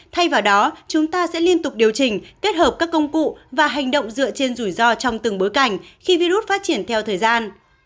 thay vào đó chúng ta sẽ liên tục điều chỉnh kết hợp các công cụ và hành động dựa trên rủi ro trong từng bối cảnh khi virus phát triển theo thời gian